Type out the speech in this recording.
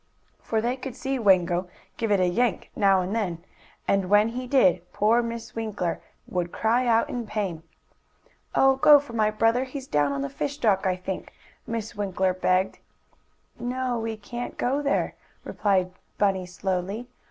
For they could see Wango give it a yank now and then, and, when he did, poor Miss Winkler would cry out in pain. "Oh, go for my brother! He's down on the fish dock I think," Miss Winkler begged. "No, we can't go there," replied Bunny slowly.